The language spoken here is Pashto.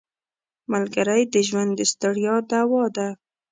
ملګری د ژوند د ستړیا دوا ده